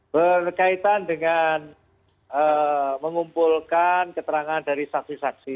berkaitan dengan mengumpulkan keterangan dari saksi saksi